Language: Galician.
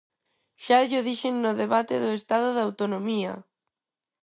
¡Xa llo dixen no debate do estado de Autonomía!